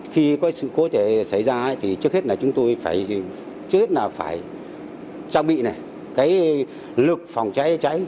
khi có sự cố thể xảy ra thì trước hết là chúng tôi phải trang bị lực phòng cháy cháy